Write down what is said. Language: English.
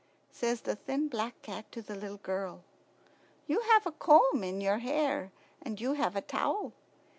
Says the thin black cat to the little girl: "You have a comb in your hair, and you have a towel.